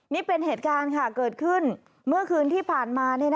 นี่เป็นเหตุการณ์เกิดขึ้นเมื่อคืนที่ผ่านมา